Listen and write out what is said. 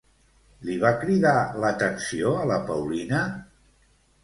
Li va cridar l'atenció a la Paulina?